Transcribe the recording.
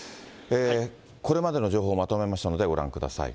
これまでの情報をまとめましたのでご覧ください。